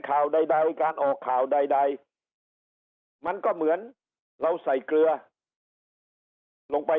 ข่าวใดใดการออกข่าวใดมันก็เหมือนเราใส่เกลือใส่ลงไป